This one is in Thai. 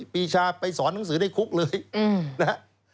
ปีชาไปสอนหนังสือได้คุกเลยนะ